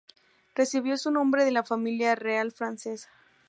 Recibió su nombre de la familia real francesa.